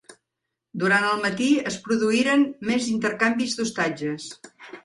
Durant el matí es produïren més intercanvis d'ostatges.